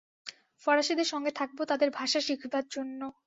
ফরাসীদের সঙ্গে থাকব তাদের ভাষা শিখবার জন্য।